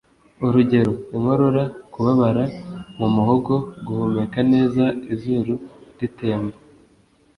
urugero: inkorora, kubabara mu muhogo, guhumeka neza, izuru ritemba,